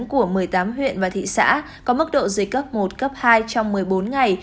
của một mươi tám huyện và thị xã có mức độ dịch cấp một cấp hai trong một mươi bốn ngày